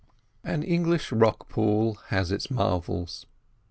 An English rock pool has its marvels.